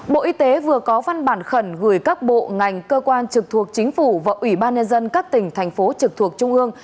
bộ y tế vừa có văn bản khẩn gửi các bộ ngành cơ quan trực thuộc chính phủ và ủy ban nhân dân các tỉnh thành phố trực thuộc trung ương